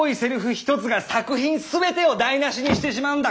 ひとつが作品全てを台なしにしてしまうんだ。